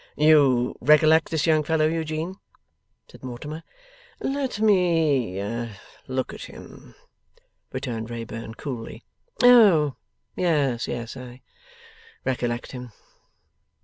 'You recollect this young fellow, Eugene?' said Mortimer. 'Let me look at him,' returned Wrayburn, coolly. 'Oh, yes, yes. I recollect him!